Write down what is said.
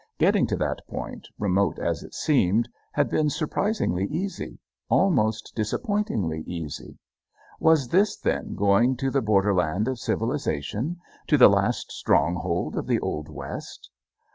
Getting to that point, remote as it seemed, had been surprisingly easy almost disappointingly easy. Was this, then, going to the borderland of civilization, to the last stronghold of the old West?